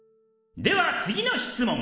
では次の質問